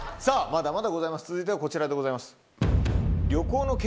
まだまだございます続いてはこちらでございます。